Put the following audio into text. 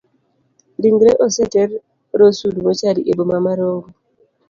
Ringre oseter rosewood mochari eboma ma rongo.